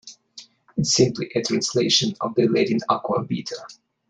It is simply a translation of the Latin "aqua vitae".